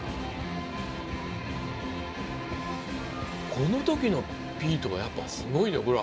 この時のピートはやっぱすごいよほら